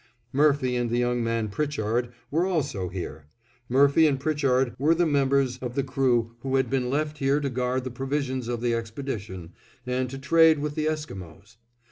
Murphy and the young man Pritchard were also here. Murphy and Pritchard were the members of the crew who had been left here to guard the provisions of the expedition, and to trade with the Esquimos.